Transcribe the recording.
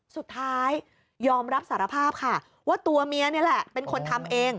สุดท้ายยอมรับสารภาพค่ะว่าตัวเมียนี่แหละเป็นคนทำเอง